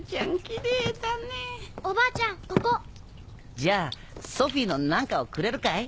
じゃあソフィーの何かをくれるかい？